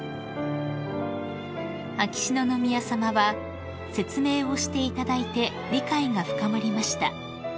［秋篠宮さまは「説明をしていただいて理解が深まりました」